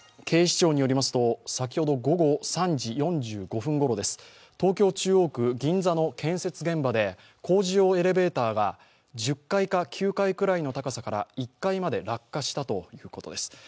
警視庁によりますと、先ほど午後３時４５分ごろ、東京・中央区、銀座の建設現場で工事用エレベーターが１０階か９階ぐらいの高さから１階まで落下したということです。